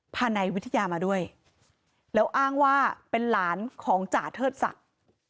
นายวิทยามาด้วยแล้วอ้างว่าเป็นหลานของจ่าเทิดศักดิ์